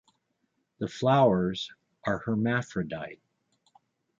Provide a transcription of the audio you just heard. The flowers are hermaphrodite.